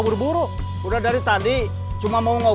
orada siapa yeah